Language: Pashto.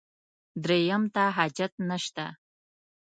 درېیم ته حاجت نشته.